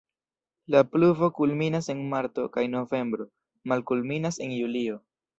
La pluvo kulminas en marto kaj novembro, malkulminas en julio.